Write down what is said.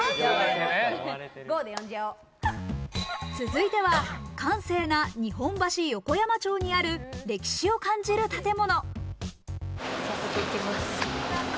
続いては閑静な日本橋横山町にある、歴史を感じる建物。